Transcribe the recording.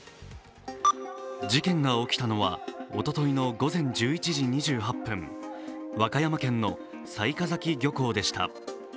事件が起きたのはおとといの午前１１時２８分、和歌山県の雑賀崎漁港でした。